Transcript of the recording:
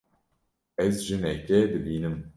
Ez jinekê dibînim.